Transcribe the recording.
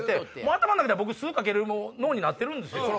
頭ん中では僕酢かける脳になってるんですよ。